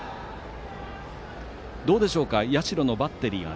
どうでしょう、社のバッテリー。